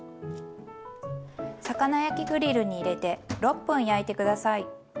魚焼きグリルに入れて６分焼いて下さい。